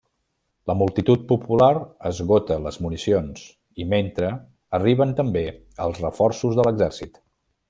La multitud popular esgota les municions, i mentre, arriben també els reforços de l'exèrcit.